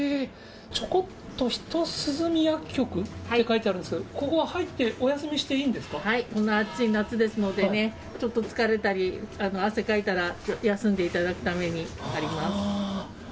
ちょこっとひと涼み薬局って書いてあるんですけど、ここは入ってこの暑い夏ですのでね、ちょっと疲れたり、汗かいたら休んでいただくためにあります。